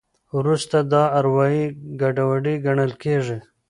وروسته دا اروایي ګډوډي ګڼل کېږي.